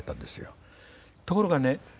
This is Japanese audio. ところがね